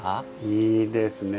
いいですね。